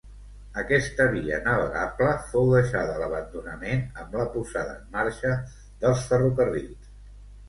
Aquesta via navegable fou deixada a l'abandonament amb la posada en marxa dels ferrocarrils.